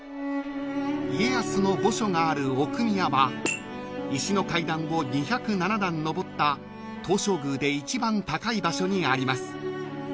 ［家康の墓所がある奥宮は石の階段を２０７段上った東照宮で一番高い場所にあります］